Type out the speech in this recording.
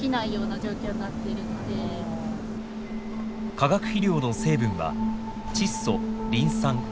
化学肥料の成分は窒素リン酸カリウム。